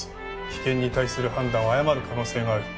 危険に対する判断を誤る可能性がある。